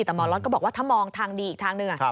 แต่หมอล็อตก็บอกว่าถ้ามองทางดีอีกทางหนึ่ง